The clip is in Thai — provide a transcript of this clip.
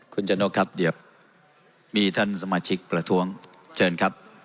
คุณชะนกครับเดี๋ยวมีท่านสมาชิกประท้วงเชิญครับ